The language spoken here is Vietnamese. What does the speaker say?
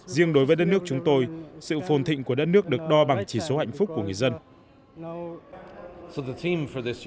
riêng đối với đất nước chúng tôi sự phồn thịnh của đất nước được đo bằng chỉ số hạnh phúc của người dân